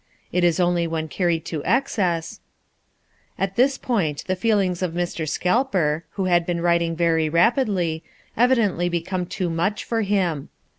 It is only when carried to excess " At this point the feelings of Mr. Scalper, who had been writing very rapidly, evidently become too much for him.